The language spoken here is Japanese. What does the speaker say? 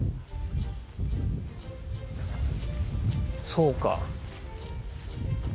そうか。